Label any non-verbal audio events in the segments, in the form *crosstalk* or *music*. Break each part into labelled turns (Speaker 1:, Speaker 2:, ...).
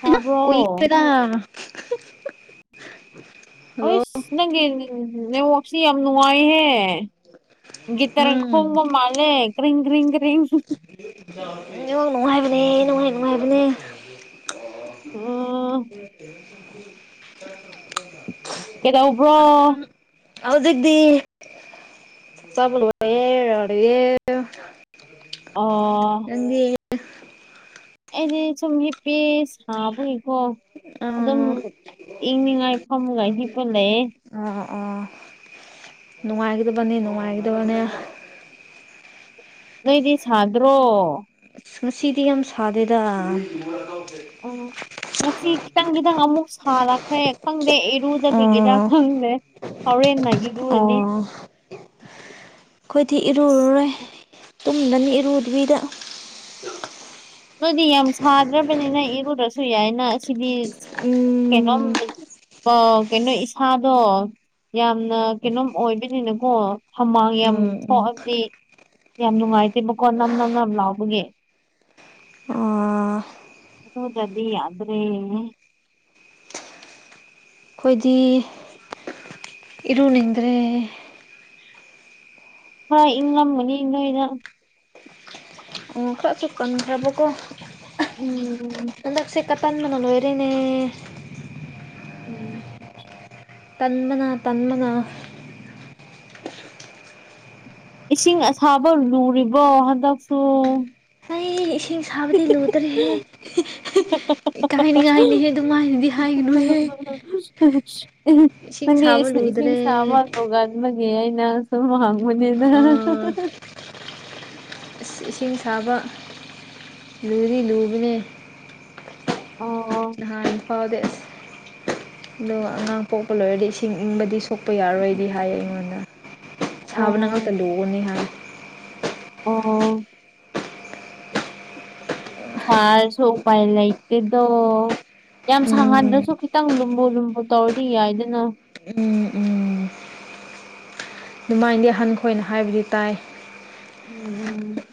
Speaker 1: ꯇꯥꯕ꯭ꯔꯣ
Speaker 2: ꯀꯨꯏꯈ꯭ꯔꯦꯗꯥ *unintelligible*
Speaker 1: ꯑꯩꯁ ꯅꯪꯒꯤ ꯅꯦꯠꯋꯥꯛꯁꯤ ꯌꯥꯝ ꯅꯨꯡꯉꯥꯏꯍꯦ ꯒꯤꯇꯔ
Speaker 2: ꯎꯝ
Speaker 1: ꯈꯣꯡꯕ ꯃꯥꯂꯦ ꯀ꯭ꯔꯤꯡ ꯀ꯭ꯔꯤꯡ ꯀ꯭ꯔꯤꯡ
Speaker 2: ꯅꯦꯋꯥꯛ ꯅꯨꯡꯉꯥꯏꯕꯅꯦ ꯅꯨꯡꯉꯥꯏ ꯅꯨꯡꯉꯥꯏꯕꯅꯦ
Speaker 1: *unintelligible*
Speaker 2: *inaudible*
Speaker 1: ꯀꯩꯗꯧꯕ꯭ꯔꯣ
Speaker 2: ꯍꯧꯖꯤꯛꯗꯤ ꯆꯥꯕ ꯂꯣꯌꯦ unintelligible
Speaker 1: ꯑꯣ
Speaker 2: ꯅꯪꯗꯤ
Speaker 1: ꯑꯩꯗꯤ ꯁꯨꯝ ꯍꯤꯄꯤꯁ ꯊꯥꯕꯨꯡꯀꯣ ꯑꯗꯨꯝ
Speaker 2: ꯑꯥ
Speaker 1: ꯏꯪꯅꯤꯡꯉꯥꯏ ꯐꯝꯃꯒ ꯍꯤꯞꯄ ꯂꯩꯌꯦ
Speaker 2: ꯑꯣ ꯑꯣ ꯅꯨꯡꯉꯥꯏꯒꯗꯕꯅꯤ ꯅꯨꯡꯉꯥꯏꯒꯗꯕꯅꯦ
Speaker 1: ꯅꯣꯏꯗꯤ ꯁꯥꯗ꯭ꯔꯣ
Speaker 2: ꯉꯁꯤꯗꯤ ꯌꯥꯝ ꯁꯥꯗꯦꯗ
Speaker 1: ꯎꯝ
Speaker 2: *inaudible*
Speaker 1: ꯉꯁꯤ ꯈꯤꯇꯪ ꯈꯤꯇꯪ ꯑꯃꯨꯛ ꯁꯥꯔꯛꯈ꯭ꯔꯦ ꯈꯪꯗꯦ ꯏꯔꯨꯖꯈꯤꯁꯤꯔ
Speaker 2: ꯑꯣ
Speaker 1: ꯈꯪꯗꯦ ꯍꯧꯔꯦꯟꯅꯥꯏꯒꯤꯕꯨ
Speaker 2: ꯑꯣ
Speaker 1: ꯑꯣꯢꯅꯤ
Speaker 2: ꯑꯩꯈꯣꯏꯗꯤ ꯏꯔꯨꯔꯔꯣꯏ ꯇꯨꯝꯗꯅꯤ ꯏꯔꯨꯗꯕꯤꯗ
Speaker 1: ꯅꯣꯏꯗꯤ ꯌꯥꯝ ꯁꯥꯗ꯭ꯔꯕꯅꯤꯅ ꯏꯔꯨꯔꯁꯨ ꯌꯥꯏꯅ ꯁꯤꯗꯤ
Speaker 2: ꯎꯝ
Speaker 1: ꯀꯩꯅꯣꯝ ꯑ ꯀꯩꯅꯣ ꯏꯁꯥꯗꯣ ꯌꯥꯝꯅ ꯀꯩꯅꯣꯝ ꯑꯣꯏꯕꯅꯤꯅꯀꯣ ꯍꯃꯥꯡ ꯌꯥꯝ
Speaker 2: ꯎꯝ ꯎꯝ
Speaker 1: ꯊꯣꯛꯑꯗꯤ ꯌꯥꯝ ꯅꯨꯡꯉꯥꯏꯇꯦꯕꯀꯣ ꯅꯞ ꯅꯞ ꯅꯞ ꯂꯥꯎꯕꯒꯤ
Speaker 2: ꯑ
Speaker 1: ꯢꯔꯨꯗ꯭ꯔꯗꯤ ꯌꯥꯗ꯭ꯔꯦ
Speaker 2: ꯑꯩꯈꯣꯏꯗꯤ ꯏꯔꯨꯅꯤꯡꯗ꯭ꯔꯦ
Speaker 1: ꯍꯣꯏ ꯏꯪ ꯉꯝꯃꯅꯤ ꯅꯣꯢꯅ
Speaker 2: ꯈꯔꯁꯨ ꯀꯟꯈ꯭ꯔꯕꯀꯣ
Speaker 1: ꯎꯝ
Speaker 2: ꯍꯟꯗꯛꯁꯦ ꯀꯇꯟꯕꯅ ꯂꯣꯏꯔꯦꯅꯦ
Speaker 1: *inaudible*
Speaker 2: ꯇꯟꯕꯅ ꯇꯟꯕꯅ
Speaker 1: ꯏꯁꯤꯡ ꯑꯁꯥꯕ ꯂꯨꯔꯤꯕꯣ ꯍꯟꯗꯛꯁꯨ
Speaker 2: *inaudible* ꯊꯥꯕꯗꯤ ꯂꯨꯗ꯭ꯔꯦꯍꯦ ꯏꯀꯥꯏꯅꯤꯉꯥꯏꯅꯤꯍꯦ ꯑꯗꯨꯃꯥꯏꯅꯗꯤ ꯍꯥꯏꯒꯅꯨꯍꯦ ꯏꯁꯤꯡ ꯁꯥꯕ ꯂꯨꯗ꯭ꯔꯦ
Speaker 1: *unintelligible* ꯑꯗꯨꯒꯤ ꯑꯩꯅ ꯁꯨꯝ ꯍꯪꯕꯅꯤꯗ
Speaker 2: ꯑꯥ ꯏꯁꯤꯡ ꯁꯥꯕ ꯂꯨꯗꯤ ꯂꯨꯕꯅꯦ
Speaker 1: ꯑꯣ ꯑꯣ
Speaker 2: UNINTELLIGIBLE ꯐꯥꯎꯗꯦꯁ ꯑꯗꯨꯒ ꯑꯉꯥꯡ ꯄꯣꯛꯄ ꯂꯣꯏꯔꯗꯤ ꯏꯁꯤꯡ ꯏꯪꯕꯗꯤ ꯁꯣꯛꯄ ꯌꯥꯔꯣꯏꯗꯤ ꯍꯥꯏꯌꯦ ꯑꯩꯉꯣꯟꯗ ꯁꯥꯕꯅ ꯉꯥꯛꯇ
Speaker 1: ꯑꯣ
Speaker 2: ꯂꯨꯒꯅꯤ ꯍꯥꯏ
Speaker 1: INAUDIBLE ꯁꯥꯔꯁꯨ ꯎꯄꯥꯏ ꯂꯩꯇꯦꯗꯣ ꯌꯥꯝ
Speaker 2: ꯎꯝ
Speaker 1: ꯁꯥꯍꯟꯗ꯭ꯔꯁꯨ
Speaker 2: ꯎꯝ
Speaker 1: ꯈꯤꯇꯪ ꯂꯨꯝꯕꯨ ꯂꯨꯝꯕꯨ ꯇꯧꯔꯗꯤ ꯌꯥꯏꯗꯅ
Speaker 2: INAUDIBLE ꯑꯗꯨꯃꯥꯏꯅꯗꯤ ꯍꯟꯈꯣ ꯑꯩꯅ ꯍꯥꯏꯕꯗꯤ ꯇꯥꯏ
Speaker 1: INAUDIBLE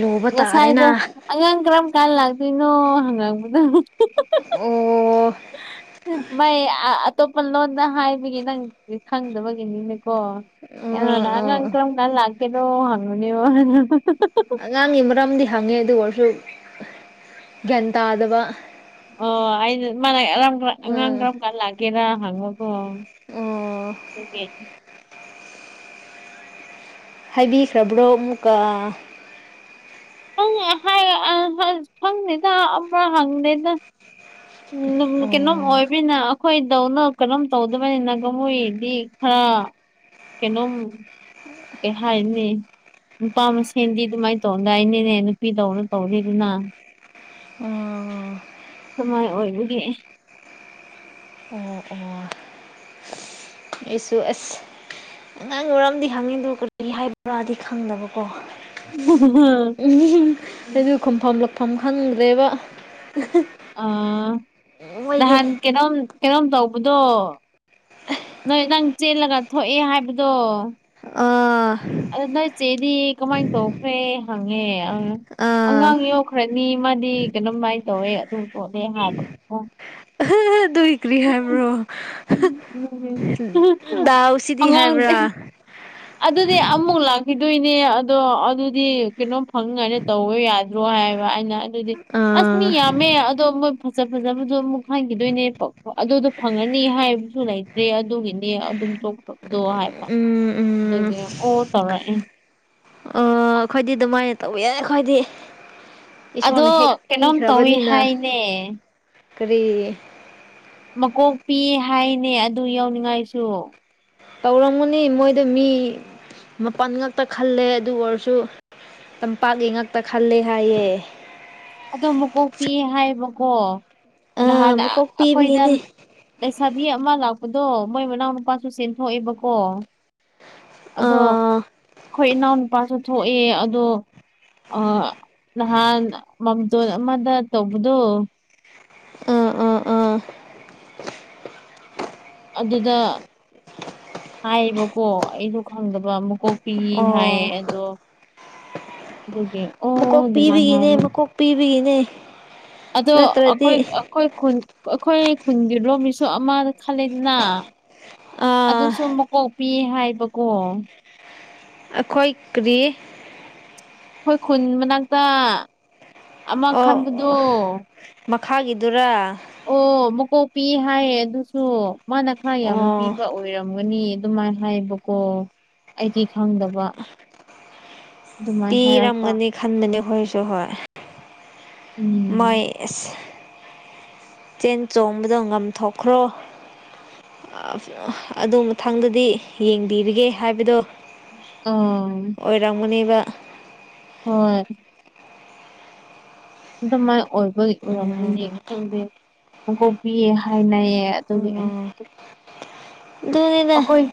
Speaker 2: ꯂꯨꯕ ꯇꯥꯔꯦꯅ
Speaker 1: ꯉꯁꯥꯏꯗꯣ ꯑꯉꯥꯡ ꯀꯔꯝ ꯀꯥꯟ ꯂꯥꯛꯇꯣꯏꯅꯣ ꯍꯪꯉꯛꯄꯗꯣ
Speaker 2: ꯑꯣ
Speaker 1: ꯃꯥꯏ ꯑ ꯑꯇꯣꯞꯄ ꯂꯣꯟꯗ ꯍꯥꯏꯕꯒꯤ ꯅꯪ ꯈꯪꯗꯕꯒꯤꯅꯤꯅꯦꯀꯣ
Speaker 2: ꯑꯥ
Speaker 1: ꯑꯩꯉꯣꯟꯗ ꯑꯉꯥꯡ
Speaker 2: ꯑꯥ
Speaker 1: ꯀꯔꯝ ꯀꯥꯟ ꯂꯥꯛꯀꯦꯔꯣ ꯍꯪꯕꯅꯤꯕ
Speaker 2: ꯑꯉꯥꯡꯒꯤ ꯃꯔꯝꯗꯤ ꯍꯪꯉꯦ ꯑꯗꯨ ꯑꯣꯏꯔꯁꯨ ꯒ꯭ꯌꯥꯟ ꯇꯥꯗꯕ
Speaker 1: ꯑꯣ ꯑꯩꯅ ꯃꯥꯅ ꯑꯉꯥꯡ
Speaker 2: ꯑꯥ
Speaker 1: ꯀꯔꯝ ꯀꯥꯟ ꯂꯥꯛꯒꯦꯔꯥ ꯍꯪꯕꯀꯣ
Speaker 2: ꯑꯣ
Speaker 1: ꯑꯗꯨꯒꯤ
Speaker 2: ꯍꯥꯏꯕꯤꯈ꯭ꯔꯕ꯭ꯔꯣ ꯑꯃꯨꯛꯀ
Speaker 1: ꯍꯥꯏ ꯑ ꯈꯪꯗꯦꯗ ꯑꯃ ꯍꯪꯗꯦꯗ ꯎ ꯀꯩꯅꯣꯝ
Speaker 2: ꯑꯣ
Speaker 1: ꯑꯣꯏꯕꯅꯤꯅ ꯑꯩꯈꯣꯏꯗꯧꯅ ꯀꯩꯅꯣꯝ ꯇꯧꯗꯕꯅꯤꯅ ꯃꯣꯏꯗꯤ ꯈꯔ ꯀꯩꯅꯣꯝ ꯀꯩ ꯍꯥꯏꯅꯤ ꯅꯨꯄꯥ ꯃꯁꯦꯟꯗꯤ ꯑꯗꯨꯃꯥꯏꯅ ꯇꯧꯅꯗꯥꯏꯅꯦ ꯅꯨꯄꯤ ꯇꯧꯅ ꯇꯧꯗꯦꯗꯅ
Speaker 2: ꯎꯝ
Speaker 1: ꯀꯃꯥꯏ ꯑꯣꯏꯕꯒꯤ
Speaker 2: ꯑꯣ ꯑꯣ ꯑꯩꯁꯨ ꯑꯁ ꯑꯉꯥꯡ ꯃꯔꯝꯗꯤ ꯍꯪꯉꯤꯗ ꯀꯔꯤ ꯍꯥꯏꯕ꯭ꯔꯥꯗꯤ ꯈꯪꯗꯕꯀꯣ
Speaker 1: *unintelligible*
Speaker 2: ꯍꯥꯏꯗꯤ ꯈꯨꯝꯐꯝ ꯂꯛꯐꯝ ꯈꯪꯗꯗ꯭ꯔꯦꯕ
Speaker 1: ꯑꯥ
Speaker 2: ꯃꯣꯏꯒꯤ
Speaker 1: ꯅꯍꯥꯟ ꯀꯩꯅꯣꯝ ꯀꯩꯅꯣꯝ ꯇꯧꯕꯗꯣ ꯅꯣꯏ ꯅꯪ ꯆꯦꯜꯂꯒ ꯊꯣꯛꯑꯦ ꯍꯥꯏꯕꯗꯣ
Speaker 2: ꯑꯥ
Speaker 1: ꯅꯣꯏꯆꯦꯗꯤ ꯀꯃꯥꯏꯅ ꯇꯧꯈ꯭ꯔꯦ ꯍꯪꯉꯦ ꯑꯪ
Speaker 2: ꯑꯥ
Speaker 1: ꯑꯉꯥꯡ ꯌꯣꯛꯈ꯭ꯔꯅꯤ ꯃꯥꯗꯤ ꯀꯩꯅꯝꯃꯥꯏꯅ ꯇꯧꯋꯦ ꯑꯗꯨ ꯇꯣꯠꯂꯦ ꯍꯥꯌꯕꯥ
Speaker 2: *unintelligible* ꯑꯗꯨꯏ ꯔꯤ ꯍꯥꯏꯕ꯭ꯔꯣ
Speaker 1: ꯎꯝ ꯎꯝ ꯎꯝ
Speaker 2: ꯗꯥꯎꯁꯤꯗꯤ ꯍꯥꯏꯕ꯭ꯔꯥ
Speaker 1: ꯑꯉꯥꯡꯗꯤ ꯑꯗꯨꯗꯤ ꯑꯃꯨꯛ ꯂꯥꯛꯈꯤꯗꯣꯏꯅꯦ ꯑꯗꯣ ꯑꯗꯨꯗꯤ ꯀꯩꯅꯣꯝ ꯐꯪꯉꯥꯏꯅ ꯇꯧꯋꯦ ꯌꯥ *unintelligible* ꯍꯥꯏꯕ ꯑꯩꯅ ꯑꯗꯨꯗꯤ ꯑꯁ ꯃꯤ
Speaker 2: ꯑꯥ
Speaker 1: ꯌꯥꯝꯃꯦ ꯑꯗꯣ ꯃꯣꯏ ꯐꯖ ꯐꯖꯕꯗꯣ ꯑꯃꯨꯛ ꯈꯪꯈꯤꯗꯣꯏꯅꯦ ꯑꯗꯨꯗꯣ ꯐꯪꯉꯅꯤ ꯍꯥꯏꯕꯁꯨ ꯂꯩ ꯗꯦ ꯑꯗꯨꯒꯤꯅꯦ ꯑꯗꯨꯝ ꯇꯇꯗꯣ ꯍꯥꯏꯕ
Speaker 2: ꯎꯝ ꯎꯝ
Speaker 1: ꯑꯗꯨꯒꯤ ꯑꯣ ꯇꯧꯔꯛꯑꯦ
Speaker 2: ꯑꯣ ꯑꯩꯈꯣꯏꯗꯤ ꯑꯗꯨꯃꯥꯏꯅ ꯇꯧꯕ ꯌꯥꯏ ꯑꯩꯈꯣꯏꯗꯤ
Speaker 1: ꯑꯗꯣ
Speaker 2: ꯏꯁꯣꯔꯅ ꯍꯦꯛ
Speaker 1: ꯀꯩꯅꯣꯝ ꯇꯧꯏ
Speaker 2: ꯄꯤꯈ꯭ꯔꯕꯅꯤꯅ
Speaker 1: ꯍꯥꯏꯅꯦ
Speaker 2: ꯀꯔꯤ
Speaker 1: ꯃꯀꯣꯛꯇꯤ ꯍꯥꯏꯅꯦ ꯑꯗꯨ ꯌꯧꯅꯤꯡꯉꯥꯏꯁꯨ
Speaker 2: ꯇꯧꯔꯝꯒꯅꯤ ꯃꯣꯏꯗꯣ ꯃꯤ ꯃꯥꯄꯜ ꯉꯛꯇ ꯈꯜꯂꯦ ꯑꯗꯨ ꯑꯣꯏꯔꯁꯨ ꯇꯝꯄꯥꯛꯀꯤ ꯉꯥꯛꯇ ꯈꯜꯂꯦ ꯍꯥꯏꯌꯦ
Speaker 1: ꯑꯗꯣ ꯃꯨꯀꯣꯛꯇꯤ ꯍꯥꯏꯕꯀꯣ
Speaker 2: ꯑꯥ
Speaker 1: ꯅꯍꯥꯟ
Speaker 2: ꯃꯀꯣꯛ
Speaker 1: ꯑꯩꯈꯣꯏꯗ
Speaker 2: ꯄꯤꯕꯒꯤꯅꯦ
Speaker 1: ꯂꯩꯁꯥꯕꯤ ꯑꯃ ꯂꯥꯛꯄꯗꯣ ꯃꯣꯏ ꯃꯅꯥꯎ ꯅꯨꯨꯄꯥꯁꯨ ꯆꯦꯟꯊꯣꯛꯑꯦꯕꯀꯣ ꯑꯗꯣ
Speaker 2: ꯑꯥ
Speaker 1: ꯍꯣꯏ ꯏꯅꯥꯎ ꯅꯨꯨꯄꯥꯁꯨ ꯊꯣꯛꯑꯦ ꯑꯗꯣ ꯑꯥ ꯅꯍꯥꯟ ꯃꯥꯝꯇꯣꯟ ꯑꯃꯗ ꯇꯧꯕꯗꯣ
Speaker 2: ꯎꯝ ꯎꯝ ꯎꯝ
Speaker 1: ꯑꯗꯨꯗ ꯍꯥꯏꯌꯦꯕꯀꯣ ꯑꯩꯗꯣ ꯈꯪꯗꯕ ꯑꯃꯨꯀꯣꯛ ꯄꯤ ꯍꯥꯏꯌꯦ
Speaker 2: ꯑꯣ
Speaker 1: ꯑꯗꯣ ꯑꯗꯨꯒꯤ
Speaker 2: ꯃꯀꯣꯛ
Speaker 1: ꯑꯣ ꯑꯗꯨꯃꯥꯏꯅ
Speaker 2: ꯄꯤꯕꯒꯤꯅꯦ
Speaker 1: ꯍꯥꯏꯕ
Speaker 2: ꯃꯀꯣꯛ ꯄꯤꯕꯒꯤꯅꯦ
Speaker 1: ꯑꯗꯣ
Speaker 2: ꯅꯠꯇ꯭ꯔꯗꯤ
Speaker 1: ꯑꯩꯈꯣꯏ ꯑ ꯑꯩꯈꯣꯏ ꯈꯨꯟ ꯑꯩꯈꯣꯏ ꯈꯨꯟꯒꯤ *inaudible* ꯑꯃ ꯈꯜꯂꯦꯗꯅ
Speaker 2: ꯑꯥ
Speaker 1: ꯑꯗꯨꯁꯨ ꯃꯀꯣꯛ ꯄꯤ ꯍꯥꯏꯕꯀꯣ
Speaker 2: ꯑꯩꯈꯣꯏ ꯀꯔꯤ
Speaker 1: ꯑꯩꯈꯣꯏ ꯈꯨꯟ ꯃꯅꯥꯛꯇ ꯑꯃ ꯈꯟꯕꯗꯣ
Speaker 2: ꯑꯣ ꯃꯈꯥꯒꯤꯗꯨꯔꯥ
Speaker 1: ꯑꯣ ꯃꯀꯣꯛ ꯄꯤ ꯍꯥꯏꯌꯦ ꯑꯗꯨꯁꯨ ꯃꯥꯅ ꯈꯔ ꯌꯥꯝꯅ
Speaker 2: ꯑꯣ
Speaker 1: ꯄꯤꯕ ꯑꯣꯏ ꯑꯣꯏꯔꯝꯒꯅꯤ ꯑꯗꯨꯃꯥꯏ ꯍꯥꯏꯕꯀꯣ ꯑꯩꯗꯤ ꯈꯪꯗꯕ ꯑꯗꯨꯃꯥꯏꯅ ꯍꯥꯏꯔꯛꯄ
Speaker 2: ꯄꯤꯔꯝꯒꯅꯤ ꯈꯟꯕꯅꯦ ꯑꯩꯈꯣꯏꯒꯤꯁꯨ ꯍꯣꯏ
Speaker 1: ꯎꯝ
Speaker 2: ꯃꯣꯏ ꯑꯁ ꯆꯦꯟ ꯆꯣꯡꯕꯗꯣ ꯉꯝꯊꯣꯛꯈ꯭ꯔꯣ ꯑ ꯑꯗꯣ ꯃꯊꯪꯗꯗꯤ ꯌꯦꯡꯕꯤꯔꯒꯦ ꯍꯥꯏꯕꯗꯣ
Speaker 1: ꯎꯝ
Speaker 2: ꯑꯣꯏꯔꯝꯒꯅꯤꯕ
Speaker 1: ꯍꯣꯏ ꯑꯗꯨꯃꯥꯏ ꯑꯣꯏꯕꯩ ꯑꯣꯏꯔꯝꯒꯅꯤ ꯈꯪꯗꯦ ꯃꯀꯣꯛ ꯄꯤ ꯍꯥꯏꯅꯩꯌꯦ ꯑꯗꯨꯒꯤ
Speaker 2: ꯑꯗꯨꯅꯤꯗ
Speaker 1: ꯑꯩꯈꯣꯏ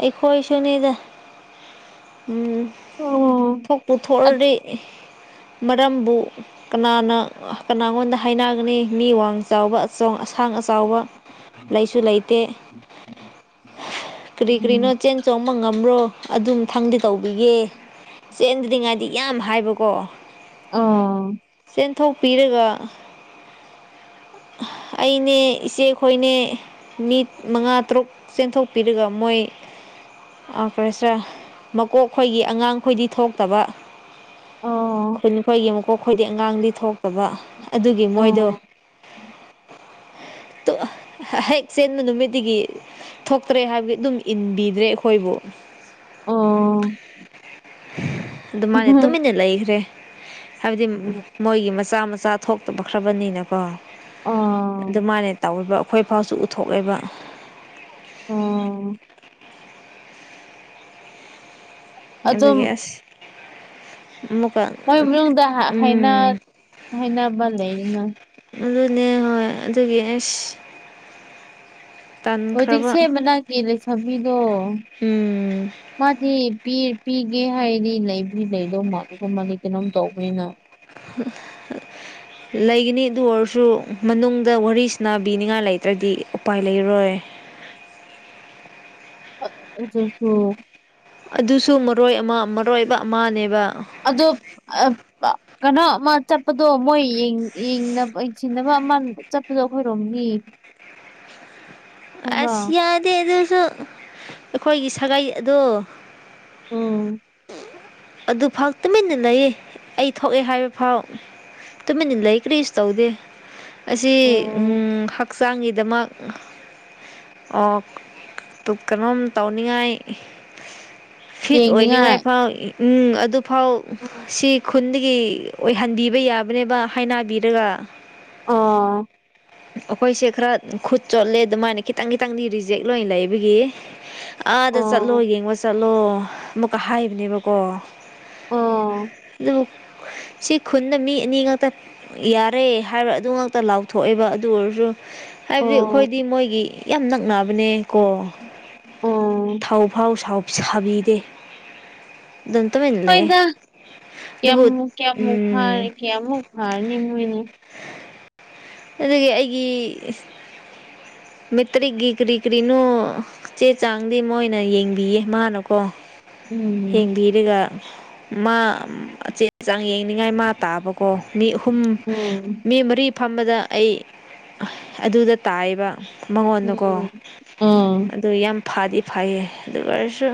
Speaker 2: ꯑꯩꯈꯣꯏꯁꯨꯅꯤꯗ ꯎꯝ
Speaker 1: ꯑꯣ
Speaker 2: ꯊꯣꯛꯄꯨ ꯊꯣꯛꯑꯗꯤ ꯃꯔꯝꯕꯨ ꯀꯅꯥꯅ ꯀꯅꯥꯉꯣꯟꯗ ꯍꯥꯏꯅꯒꯅꯤ ꯃꯤ ꯋꯥꯡ ꯆꯥꯎꯕ ꯑꯆꯧ ꯑꯁꯥꯡ ꯑꯆꯥꯎꯕ ꯂꯩꯁꯨ ꯂꯩꯇꯦ ꯀꯔꯤ ꯀꯔꯤꯅꯣ
Speaker 1: ꯎꯝ
Speaker 2: ꯆꯦꯟ ꯆꯣꯡꯕ ꯉꯝꯔꯣ ꯑꯗꯨ ꯃꯊꯪꯗ ꯇꯧꯕꯤꯒꯦ ꯆꯦꯟꯗ꯭ꯔꯤꯉꯥꯏꯗꯤ ꯌꯥꯝ ꯍꯥꯏꯕꯀꯣ
Speaker 1: ꯎꯝ
Speaker 2: ꯆꯦꯟꯊꯣꯛꯄꯤꯔꯒ ꯑꯩꯅꯦ ꯏꯆꯦꯈꯣꯏꯅꯦ ꯃꯤꯠ ꯃꯉꯥ ꯇꯔꯨꯛ ꯆꯦꯟꯊꯣꯛꯄꯤꯔꯒ ꯃꯣꯏ ꯑꯣ ꯐ꯭ꯔꯦꯁꯔ ꯃꯀꯣꯛ ꯈꯣꯏꯒꯤ ꯑꯉꯥꯡꯈꯣꯏꯗꯤ ꯊꯣꯛꯇꯕ
Speaker 1: ꯑꯥ
Speaker 2: ꯈꯨꯟ ꯈꯣꯏꯒꯤ ꯃꯀꯣꯛ ꯈꯣꯏꯗꯤ ꯑꯉꯥꯡꯗꯤ ꯊꯣꯛꯇꯕ ꯑꯗꯨꯒꯤ ꯃꯣꯏꯗꯣ
Speaker 1: *unintelligible*
Speaker 2: ꯇꯣ ꯍꯦꯛ ꯆꯦꯟꯕ ꯅꯨꯃꯤꯠꯇꯒꯤ ꯊꯣꯛꯇ꯭ꯔꯦ ꯍꯥꯏꯕ ꯑꯗꯨꯝ ꯏꯟꯕꯤꯗ꯭ꯔꯦ ꯑꯩꯈꯣꯏꯕꯨ
Speaker 1: ꯑꯣ
Speaker 2: ꯑꯗꯨꯃꯥꯏꯅ ꯇꯨꯃꯤꯟꯅ ꯂꯩꯈ꯭ꯔꯦ ꯍꯥꯏꯕꯗꯤ ꯃꯣꯏꯒꯤ ꯃꯆꯥ ꯃꯆꯥ ꯊꯣꯛꯇꯕꯈ꯭ꯔꯕꯅꯤꯅꯀꯣ
Speaker 1: ꯑꯥ
Speaker 2: ꯑꯗꯨꯃꯥꯏꯅ ꯇꯧꯕ ꯑꯩꯈꯣꯏ *inaudible* ꯎꯠꯊꯣꯛꯂꯒ
Speaker 1: ꯑꯣ ꯑꯗꯨꯝ
Speaker 2: ꯑꯗꯨꯒꯤ ꯑꯁ ꯃꯨꯛ
Speaker 1: ꯃꯣꯏ ꯃꯅꯨꯡꯗ ꯍꯥꯏꯅ ꯍꯥꯏꯅꯕ ꯂꯩꯅ
Speaker 2: ꯑꯗꯨꯅꯦ ꯍꯣꯏ ꯑꯗꯨꯒꯤ ꯑꯁ ꯇꯟꯈ꯭ꯔꯕ
Speaker 1: ꯍꯧꯖꯤꯛꯁꯦ ꯃꯅꯥꯛꯀꯤ ꯂꯩꯁꯥꯕꯤꯗꯣ
Speaker 2: ꯎꯝ
Speaker 1: ꯃꯥꯗꯤ ꯄꯤ ꯄꯤꯒꯦ ꯍꯥꯏꯔꯗꯤ ꯂꯩꯕꯨꯗꯤ ꯂꯩꯗꯧꯕ ꯃꯥꯜꯂꯒ ꯃꯥꯗꯤ ꯀꯩꯅꯣꯝ ꯇꯧꯏꯅ
Speaker 2: *unintelligible* ꯂꯩꯒꯅꯤ ꯑꯗꯨ ꯑꯣꯏꯔꯁꯨ ꯃꯅꯨꯡꯗ ꯋꯥꯔꯤꯁꯥꯟꯅꯥꯕꯤꯅꯤꯡꯉꯥꯏ ꯂꯩꯇ꯭ꯔꯗꯤ ꯎꯄꯥꯏ ꯂꯩꯔꯣꯏ
Speaker 1: *unintelligible*
Speaker 2: ꯑꯗꯨꯁꯨ ꯃꯔꯣꯏ ꯑꯃ ꯃꯔꯣꯏꯕ ꯑꯃꯅꯦꯕ
Speaker 1: ꯑꯗꯣ ꯑ ꯄ ꯀꯅꯣ ꯃꯥ ꯆꯠꯄꯗꯣ ꯃꯣꯏ ꯌꯦꯡ ꯌꯦꯡꯅ ꯌꯦꯡꯁꯤꯟꯅꯕ ꯑꯃ ꯆꯠꯄꯗꯣ ꯑꯩꯈꯣꯏꯔꯣꯝꯅꯤ
Speaker 2: *unintelligible* ꯑꯁ ꯌꯥꯗꯦ ꯑꯗꯨꯁꯨ ꯑꯩꯈꯣꯏꯒꯤ ꯁꯥꯒꯩ ꯑꯗꯣ
Speaker 1: ꯎꯝ
Speaker 2: ꯑꯗꯨꯐꯥꯎ ꯇꯨꯃꯤꯟꯅ ꯂꯩꯌꯦ ꯑꯩ ꯊꯣꯛꯑꯦ ꯍꯥꯏꯕ ꯐꯥꯎ ꯇꯨꯃꯤꯟꯅ ꯂꯩ ꯀ꯭ꯔꯤꯁꯨ ꯇꯧꯗꯦ ꯑꯁꯤ ꯎꯝ ꯍꯛꯆꯥꯡꯒꯤꯗꯃꯛ ꯑꯣ ꯇꯨ ꯀꯅꯣꯝ ꯇꯧꯅꯤꯉꯥꯏ ꯐꯤꯠ ꯑꯣꯏꯅꯤꯡꯉꯥꯏ
Speaker 1: ꯌꯦꯡꯅꯤꯡꯉꯥꯏ
Speaker 2: ꯐꯥꯎ ꯎꯝ ꯑꯗꯨꯐꯥꯎ
Speaker 1: ꯑꯣ
Speaker 2: ꯁꯤ ꯈꯨꯟꯗꯒꯤ ꯑꯣꯏꯍꯟꯕꯤꯕ ꯌꯥꯕꯅꯦꯕ ꯍꯥꯏꯅꯥꯕꯤꯔꯒ
Speaker 1: ꯑꯣ
Speaker 2: ꯑꯩꯈꯣꯏꯁꯦ ꯈꯔ ꯈꯨꯠ ꯆꯣꯠꯂꯦ ꯑꯗꯨꯃꯥꯏꯅ ꯈꯤꯇꯪ ꯈꯤꯇꯪꯗꯤ ꯔꯤꯖꯦꯛ ꯂꯣꯏ ꯂꯩꯕꯒꯤ ꯑꯥꯗ ꯆꯠꯂꯣ
Speaker 1: ꯑꯣ
Speaker 2: ꯌꯦꯡꯕ ꯆꯠꯂꯣ ꯑꯃꯨꯛꯀ ꯍꯥꯏꯕꯅꯦꯕ ꯀꯣ
Speaker 1: ꯑꯣ
Speaker 2: ꯑꯗꯨ ꯁꯤ ꯈꯨꯟꯗ ꯃꯤ ꯑꯅꯤ ꯉꯛꯇ ꯌꯥꯔꯦ ꯍꯥꯏꯕ ꯑꯗꯨ ꯉꯛꯇ ꯂꯥꯎꯊꯣꯛꯑꯦꯕ ꯑꯗꯨ ꯑꯣꯏꯔꯁꯨ ꯍꯥꯏꯕꯗꯤ
Speaker 1: ꯑꯣ
Speaker 2: ꯑꯩꯈꯣꯏꯗꯤ ꯃꯣꯏꯒꯤ ꯌꯥꯝ ꯅꯛꯅꯕꯅꯦ ꯀꯣ
Speaker 1: ꯎꯝ
Speaker 2: ꯄꯥꯎ ꯐꯥꯎ ꯁꯥꯎ ꯁꯥꯕꯤꯗꯦ ꯑꯗꯨꯝ ꯇꯨꯃꯤꯟ ꯂꯩꯌꯦ
Speaker 1: ꯍꯣꯏꯗ
Speaker 2: ꯑꯗꯨꯕꯨ ꯎꯝ
Speaker 1: ꯀꯩꯌꯥꯝꯃꯨꯛ ꯐꯥꯏ ꯅꯤꯡꯉꯨ ꯅꯤꯡꯉꯨ
Speaker 2: ꯑꯗꯒꯤ ꯑꯩꯒꯤ ꯃꯦꯇ꯭ꯔꯤꯛꯀꯤ ꯀꯔꯤ ꯀꯔꯤꯅꯣ ꯆꯦ ꯆꯥꯡꯗꯤ ꯃꯣꯏꯅ ꯌꯦꯡꯕꯤꯌꯦ ꯃꯥꯅꯀꯣ
Speaker 1: ꯎꯝ
Speaker 2: ꯌꯦꯡꯕꯤꯔꯒ ꯃꯥ ꯆꯦ ꯆꯥꯡ ꯌꯦꯡꯅꯤꯡꯉꯥꯏ ꯃꯥ ꯇꯥꯕꯀꯣ ꯃꯤ ꯑꯍꯨꯝ
Speaker 1: ꯎꯝ
Speaker 2: ꯃꯤ ꯃꯔꯤ ꯐꯝꯕꯗ ꯑꯩ ꯑꯗꯨꯗ ꯇꯥꯏꯌꯦꯕ ꯃꯉꯣꯟꯅꯀꯣ
Speaker 1: ꯎꯝ ꯎꯝ
Speaker 2: ꯑꯗꯨ ꯌꯥꯝ ꯐꯥꯗꯤ ꯐꯩꯌꯦ ꯑꯗꯨ ꯑꯣꯏꯔꯁꯨ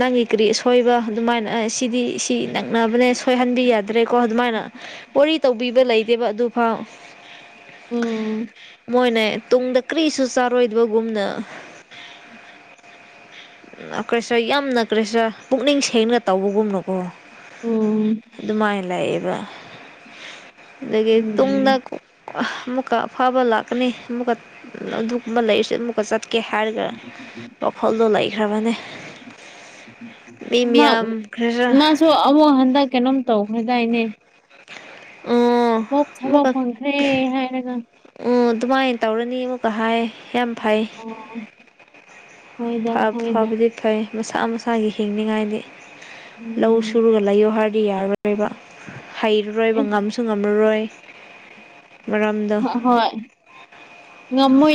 Speaker 2: ꯅꯪꯒꯤ ꯀꯔꯤ ꯑꯁꯣꯏꯕ ꯑꯗꯨꯃꯥꯏꯅ ꯁꯤꯗꯤ ꯅꯛꯅꯕꯅꯦ ꯁꯣꯏꯍꯟꯕꯤ ꯌꯥꯗ꯭ꯔꯦꯀꯣ ꯑꯗꯨꯃꯥꯏꯅ ꯋꯥꯔꯤ ꯇꯧꯕꯤꯕ ꯂꯩꯗꯦꯕ ꯑꯗꯨꯐꯥꯎ
Speaker 1: ꯎꯝ
Speaker 2: ꯃꯣꯏꯅꯦ ꯇꯨꯡꯗ ꯀꯔꯤꯁꯨ ꯆꯥꯔꯣꯏꯗꯕꯒꯨꯝꯅ ꯀꯔꯤꯁꯨ ꯌꯥꯝꯅ ꯀꯔꯤꯁꯔꯥ ꯄꯨꯛꯅꯤꯡ ꯁꯦꯡꯅ ꯇꯧꯕꯒꯨꯝꯅꯀꯣ
Speaker 1: ꯎꯝ
Speaker 2: ꯑꯗꯨꯃꯥꯏꯅ ꯂꯩꯑꯦꯕ ꯑꯗꯒꯤ ꯇꯨꯡꯗ
Speaker 1: ꯎꯝ
Speaker 2: ꯑꯃꯨꯛ ꯀ ꯑꯐꯥꯕ ꯂꯥꯛꯀꯅꯤ ꯑꯃꯨꯛꯀ ꯑꯗꯨꯒꯨꯝꯕ ꯂꯩꯔꯁꯦ ꯑꯃꯨꯛꯀ ꯆꯠ ꯀꯦ ꯍꯥꯏꯔꯒ ꯋꯥꯈꯜꯗꯣ ꯂꯩꯈ꯭ꯔꯕꯅꯦ ꯃꯤ
Speaker 1: ꯃꯥ
Speaker 2: ꯃꯤꯌꯥꯝ ꯈꯔ
Speaker 1: ꯃꯥꯁꯨ ꯑꯃꯨꯛ ꯍꯟꯗꯛ ꯀꯩꯅꯣꯝ ꯇꯧꯈ꯭ꯔꯗꯥꯏꯅꯦ
Speaker 2: *inaudible*
Speaker 1: ꯊꯕꯛ ꯊꯕꯛ ꯐꯪꯈ꯭ꯔꯦ ꯍꯥꯏꯔꯒ
Speaker 2: ꯑ ꯑꯗꯨꯃꯥꯏꯅ ꯇꯧꯔꯅꯤ ꯑꯃꯨꯛꯀ ꯍꯥꯏ ꯌꯥꯝ ꯐꯩ
Speaker 1: ꯑꯣ ꯍꯣꯏꯗ
Speaker 2: ꯐ
Speaker 1: ꯍꯣꯏꯗ
Speaker 2: ꯐꯕꯗꯤ ꯐꯩ ꯃꯁꯥ ꯃꯁꯥꯒꯤ ꯍꯤꯡꯅꯤꯡꯉꯥꯏꯗꯤ ꯂꯧ
Speaker 1: ꯎꯝ
Speaker 2: ꯁꯨꯔꯒ ꯂꯩꯌꯣ ꯍꯥꯏꯔꯗꯤ ꯌꯥꯔꯔꯣꯏꯕ ꯍꯩꯔꯔꯣꯏꯕ ꯉꯝꯁꯨ ꯉꯝꯃꯔꯣꯏ ꯃꯔꯝꯗꯣ
Speaker 1: ꯍꯣꯏ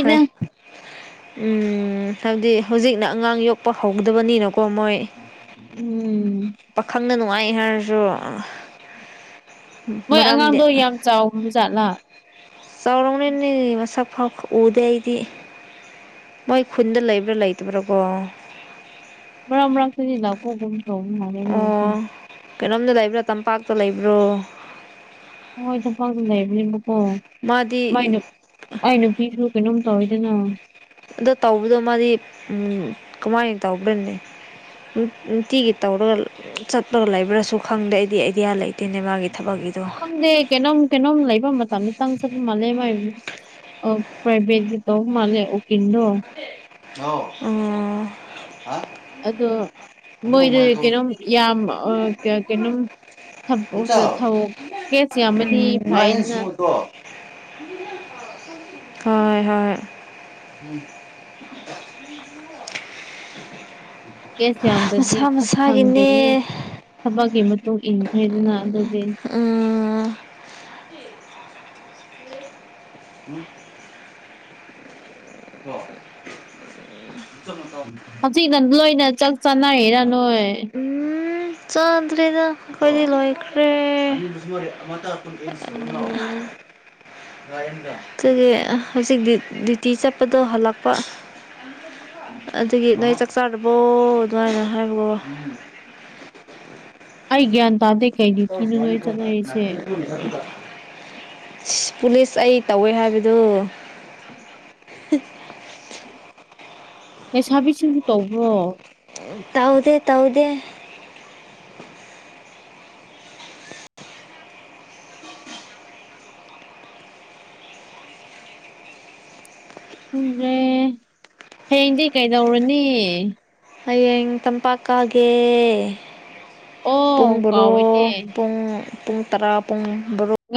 Speaker 2: ꯍꯣꯏ ꯎꯝ ꯍꯥꯏꯕꯗꯤ ꯍꯧꯖꯤꯛꯅ ꯑꯉꯥꯡ ꯌꯣꯛꯄ ꯍꯧꯗꯕꯅꯤꯅ ꯀꯣ ꯃꯣꯏ
Speaker 1: ꯎꯝ
Speaker 2: ꯄꯥꯈꯪꯅ ꯅꯨꯡꯉꯥꯏ ꯍꯥꯏꯔꯁꯨ
Speaker 1: ꯃꯣꯏ
Speaker 2: ꯃꯔꯝꯗꯤ
Speaker 1: ꯑꯉꯥꯡꯗꯣ ꯌꯥꯝ ꯆꯥꯎꯈ꯭ꯔꯕ ꯖꯥꯠꯂꯥ
Speaker 2: ꯆꯥꯎꯔꯝꯅꯤꯅꯦ ꯃꯁꯛ ꯐꯥꯎ ꯎꯗꯦ ꯑꯩꯗꯤ ꯃꯣꯏ ꯈꯨꯟꯗ ꯂꯩꯕ꯭ꯔꯥ ꯂꯩꯇꯕ꯭ꯔꯥꯀꯣ
Speaker 1: ꯃꯔꯛ ꯃꯔꯛꯇꯗꯤ ꯂꯥꯛꯄꯒꯨꯝ ꯇꯧꯕ ꯃꯥꯜꯂꯦ ꯃꯣꯏꯁꯦ
Speaker 2: ꯑꯣ ꯀꯩꯅꯣꯝꯗ ꯂꯩꯕ꯭ꯔꯥ ꯇꯝꯄꯥꯛꯇ ꯂꯩꯕ꯭ꯔꯣ
Speaker 1: ꯍꯣꯏ ꯇꯝꯄꯥꯛꯗ ꯂꯩꯕꯅꯦꯕꯀꯣ
Speaker 2: ꯃꯥꯗꯤ
Speaker 1: ꯃꯥꯏ ꯅꯨ ꯃꯥꯏ ꯅꯨꯄꯤꯁꯨ ꯀꯩꯅꯣꯝ ꯇꯧꯋꯤꯗꯅ
Speaker 2: ꯑꯗꯣ ꯇꯧꯕꯗꯣ ꯃꯥꯗꯤ ꯀꯃꯥꯏꯅ ꯇꯧꯕ꯭ꯔꯥꯅꯦ ꯅꯨꯡ ꯅꯨꯡꯇꯤꯒꯤ ꯇꯧꯔꯒ ꯆꯠꯂꯒ ꯂꯩꯕ꯭ꯔꯁꯨ ꯈꯪꯗꯦ ꯑꯩꯗꯤ ꯑꯥꯏꯗꯤꯌꯥ ꯂꯩ ꯇꯦꯅꯦ ꯃꯥꯒꯤ ꯊꯕꯛꯀꯤꯗꯣ
Speaker 1: ꯈꯪꯗꯦ ꯀꯩꯅꯣꯝ ꯀꯩꯅꯣꯝ ꯂꯩꯕ ꯃꯇꯝꯗꯇꯪ ꯆꯠꯄ ꯃꯥꯜꯂꯦ ꯃꯥꯏ ꯑꯧ ꯄ꯭ꯔꯥꯏꯕꯦꯠꯀꯤ ꯇꯧꯕ ꯃꯥꯜꯂꯦ ꯎꯀꯤꯜꯗꯣ
Speaker 2: ꯎꯝ
Speaker 1: ꯑꯗꯣ ꯃꯣꯏꯗꯤ ꯀꯩꯅꯣꯝ ꯌꯥꯝ ꯑ ꯀ ꯀꯩꯅꯣꯝ ꯊꯕ ꯊꯕꯛ ꯀꯦꯁ ꯌꯥꯝꯃꯗꯤ ꯐꯩꯗꯅ
Speaker 2: ꯎꯝ ꯍꯣꯏ ꯍꯣꯏ *inaudible*
Speaker 1: ꯀꯦꯁ ꯌꯥꯝꯗ꯭ꯔꯗꯤ
Speaker 2: ꯃꯁꯥ
Speaker 1: ꯊꯕꯛ ꯐꯪꯗꯦꯗꯅ
Speaker 2: ꯃꯁꯥꯒꯤꯅꯦ
Speaker 1: ꯊꯕꯛꯀꯤ ꯃꯇꯨꯡ ꯏꯟꯈ꯭ꯔꯦꯗꯅ ꯑꯗꯨꯗꯤ
Speaker 2: ꯑꯥ ꯎꯝ *inaudible*
Speaker 1: ꯍꯧꯖꯤꯛꯅ ꯂꯣꯏꯅ ꯆꯥꯛ ꯆꯥꯟꯅꯩꯔꯥ ꯅꯣꯏ
Speaker 2: ꯎꯝ ꯆꯥꯗ꯭ꯔꯦꯗ ꯑꯩꯈꯣꯏꯗꯤ ꯂꯣꯏꯈ꯭ꯔꯦ ꯑ
Speaker 1: ꯑꯣ
Speaker 2: ꯑꯗꯨꯒꯤ ꯍꯧꯖꯤꯛ ꯗ꯭ꯌꯨ ꯗ꯭ꯌꯨꯇꯤ ꯆꯠꯄꯗꯣ ꯍꯜꯂꯛꯄ ꯑꯗꯨꯒꯤ ꯅꯣꯏ ꯆꯥꯛ ꯆꯥꯔꯕꯣ ꯑꯗꯨꯃꯥꯏꯅ ꯍꯥꯏꯕꯣ
Speaker 1: ꯑꯩ ꯒ꯭ꯌꯥꯟ ꯇꯥꯗꯦ ꯀꯩ ꯗ꯭ꯌꯨꯇꯤꯅꯣ ꯅꯣꯏ ꯆꯠꯅꯔꯤꯁꯦ
Speaker 2: *unintelligible* ꯑꯁ ꯄꯨꯂꯤꯁ ꯑꯩ ꯇꯧꯋꯦ ꯍꯥꯏꯕꯗꯣ
Speaker 1: ꯂꯩꯁꯥꯕꯤꯁꯤꯡꯁꯨ ꯇꯧꯕ꯭ꯔꯣ
Speaker 2: ꯇꯧꯗꯦ ꯇꯧꯗꯦ
Speaker 1: ꯈꯪꯗ꯭ꯔꯦ ꯍꯌꯦꯡꯗꯤ ꯀꯩꯗꯧꯔꯅꯤ
Speaker 2: ꯍꯌꯦꯡ ꯇꯝꯄꯥꯛ ꯀꯥꯒꯦ ꯄꯨꯡ
Speaker 1: ꯑꯣ
Speaker 2: ꯕꯥꯔꯣ
Speaker 1: ꯀꯥꯎꯋꯦꯅꯦ
Speaker 2: ꯄꯨꯡ ꯄꯨꯡ ꯇꯔꯥ ꯄꯨꯡ ꯕꯥꯔꯣ